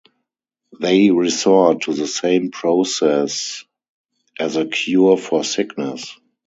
They resort to the same process as a cure for sickness.